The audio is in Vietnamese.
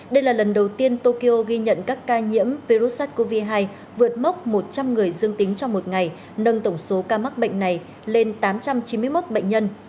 đây là lần đầu tiên tokyo ghi nhận các ca nhiễm virus sars cov hai vượt mốc một trăm linh người dương tính trong một ngày nâng tổng số ca mắc bệnh này lên tám trăm chín mươi một bệnh nhân